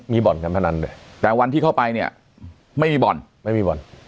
มีบ่อนการพนันด้วยแต่วันที่เข้าไปเนี่ยไม่มีบ่อนไม่มีบ่อน